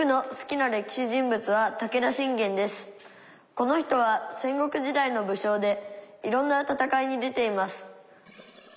この人はせん国時代のぶしょうでいろんな戦いに出ています」。